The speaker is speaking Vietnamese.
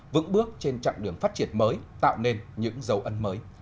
vững bước trên chặng đường phát triển mới tạo nên những dấu ân mới